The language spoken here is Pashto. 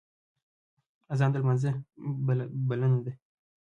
اذان د لمانځه بلنه ده